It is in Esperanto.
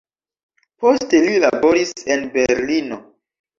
Poste li laboris en Berlino.